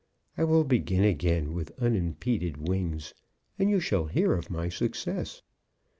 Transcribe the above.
I will begin again with unimpeded wings, and you shall hear of my success.